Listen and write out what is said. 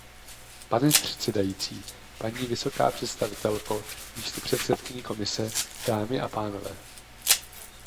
Pane předsedající, paní vysoká představitelko/místopředsedkyně Komise, dámy a pánové.